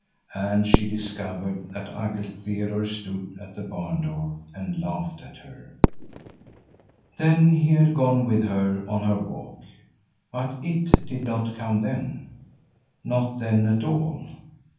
And she discovered that Uncle Theodore stood at the barn door and laughed at her. Then he had gone with her on her walk. But "it" did not come then, not then at all.